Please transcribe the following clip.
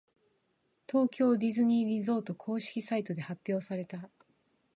東京ディズニーリゾート公式サイトで発表された。